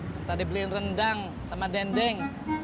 kita dibeliin rendang sama dendeng